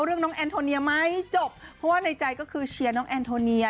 น้องแอนโทเนียไหมจบเพราะว่าในใจก็คือเชียร์น้องแอนโทเนีย